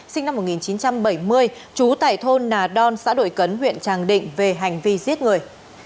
sinh năm một nghìn chín trăm bảy mươi trú tại thôn nà đon xã đội cấn huyện tràng định về hành vi giết người